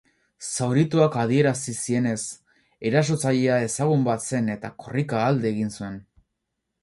Zaurituak adierazi zienez, erasotzailea ezagun bat zen eta korrika alde egin zuen.